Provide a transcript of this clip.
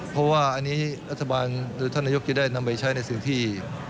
เพราะว่าอันนี้รัฐบาลหรือท่านนายกจะได้นำไปใช้ในสิ่งที่